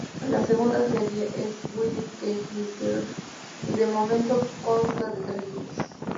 La segunda serie, es "Wedding Cake Mysteries", y de momento consta de tres libros.